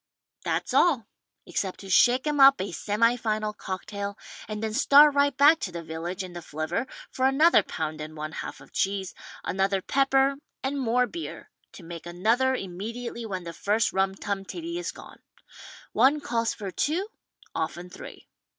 That's all — except to shake 'em up a semi final cocktai^ and then start right back to the village in the flivver for another p«und and one half of cheese, another pepper and more beer to make another immediately when the first rum tum tiddy is gone. One calls for two, often three.